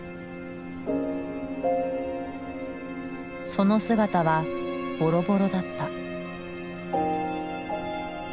その姿はボロボロだった。